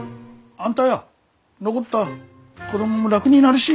あんたや残った子供も楽になるし。